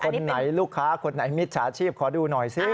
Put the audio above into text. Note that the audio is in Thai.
คนไหนลูกค้าคนไหนมิจฉาชีพขอดูหน่อยสิ